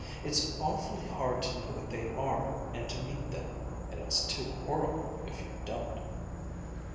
It's awfully hard to know what they are, and to meet them and it's too horrible if you don't."